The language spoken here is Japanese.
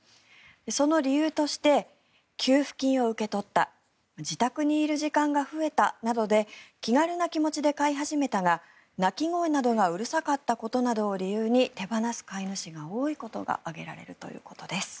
その理由として給付金を受け取った自宅にいる時間が増えたなどで気軽な気持ちで飼い始めたが鳴き声などがうるさかったことなどを理由に手放す飼い主が多いことが挙げられるということです。